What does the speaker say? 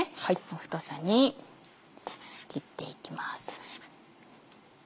太さに切っていきます。